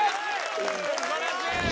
・素晴らしい！